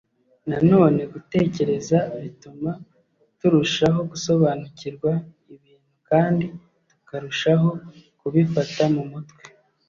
nanone gutekereza bituma turushaho gusobanukirwa ibintu kandi tukarushaho kubifata mu mutwe